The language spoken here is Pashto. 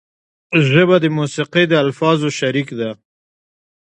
ژبه د موسیقۍ د الفاظو شریک ده